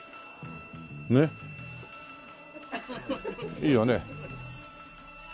いいよね？